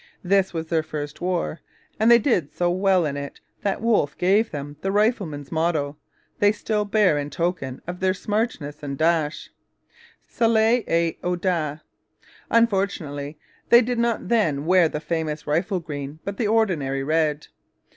This was their first war; and they did so well in it that Wolfe gave them the rifleman's motto they still bear in token of their smartness and dash Celer et Audax. Unfortunately they did not then wear the famous 'rifle green' but the ordinary red.